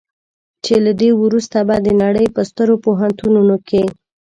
چې له دې وروسته به د نړۍ په سترو پوهنتونونو کې.